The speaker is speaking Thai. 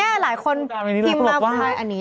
นี่หลายคนทิ้งมาบุคคลาอันนี้